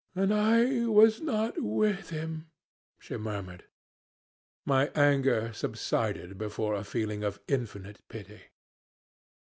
"'And I was not with him,' she murmured. My anger subsided before a feeling of infinite pity.